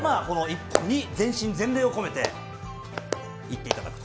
全身全霊を込めていっていただく。